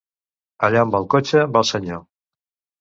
Allà on va el cotxe va el senyor.